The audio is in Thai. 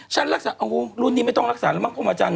ฉันรักษาโอ้โหรุ่นนี้ไม่ต้องรักษาแล้วมั้งคุณอาจารย์น่ะ